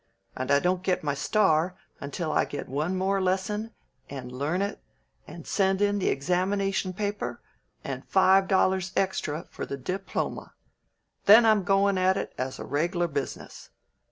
And I don't get my star until I get one more lesson, and learn it, and send in the examination paper, and five dollars extra for the diploma. Then I'm goin' at it as a reg'lar business.